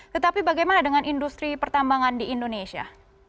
tetapi bagaimana dengan industri pertambangan di indonesia